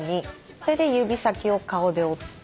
それで指先を顔で追って。